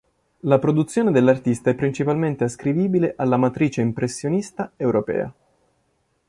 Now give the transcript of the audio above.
La produzione dell'artista è principalmente ascrivibile alla matrice impressionista europea.